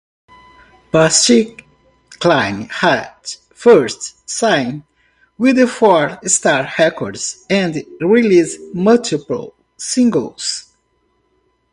Patsy Cline had first signed with Four Star Records and released multiple singles.